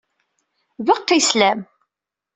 Beqqi sslam.